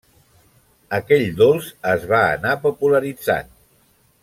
Aquell dolç es va anar popularitzant.